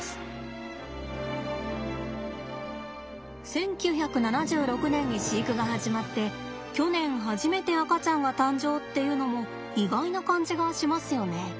１９７６年に飼育が始まって去年初めて赤ちゃんが誕生っていうのも意外な感じがしますよね。